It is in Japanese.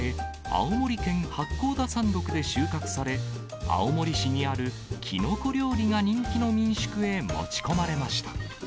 ２週間前、青森県八甲田山ろくで収穫され、青森市にあるキノコ料理が人気の民宿へ持ち込まれました。